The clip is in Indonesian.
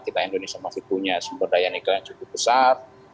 kita indonesia masih punya sumber daya nikel yang cukup besar